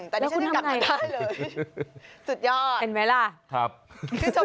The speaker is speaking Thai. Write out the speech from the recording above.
แต่นี่ฉันได้กลับมาได้เลย